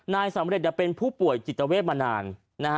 นายสำเร็จเป็นผู้ป่วยจิตเวทมานาน